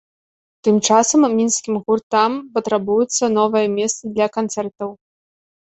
Тым часам мінскім гуртам патрабуецца новае месца для канцэртаў.